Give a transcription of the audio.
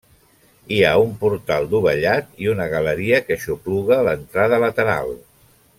Hi ha un portal dovellat i una galeria que aixopluga l'entrada lateral.